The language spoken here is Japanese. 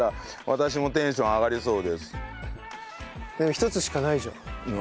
１つしかないじゃん。